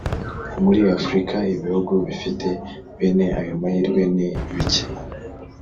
Muri Afurika, ibihugu bifite bene ayo mahirwe ni bike.